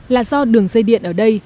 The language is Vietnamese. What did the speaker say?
là do đường dây điện ở đây